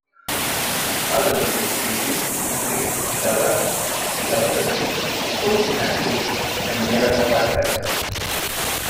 Other breeding species include shelduck, shovelers, oystercatchers and yellow wagtails.